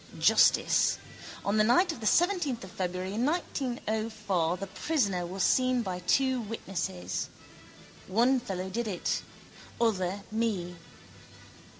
Justice. On the night of the seventeenth of February 1904 the prisoner was seen by two witnesses. Other fellow did it: other me.